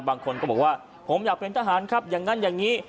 บางคนก็บอกว่าผมอยากเป็นทหารครับอย่างนั้นอย่างนี้